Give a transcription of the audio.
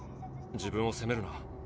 自分を責めるな。